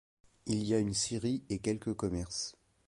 Il y a une scierie et quelques commerces.